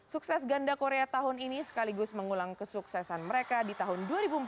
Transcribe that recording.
sukses ganda korea tahun ini sekaligus mengulang kesuksesan mereka di tahun dua ribu empat belas